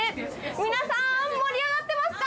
皆さん、盛り上がってますか？